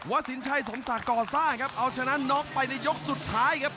วัสินชัยสมสากก่อซ่าครับเอาชนะน็อคไปในยกสุดท้ายครับ